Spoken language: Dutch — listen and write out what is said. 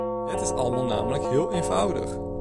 Het is allemaal namelijk heel eenvoudig.